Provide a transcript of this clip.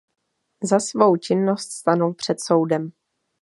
Za svou činnost stanul před soudem.